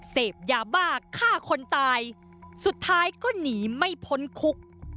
เสพยาบ้าฆ่าคนตายสุดท้ายก็หนีไม่พ้นคุก